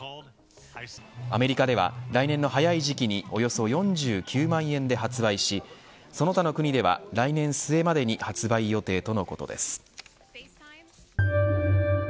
アメリカでは来年の早い時期におよそ４９万円で発売しその他の国では来年末までに発売予定とのことです。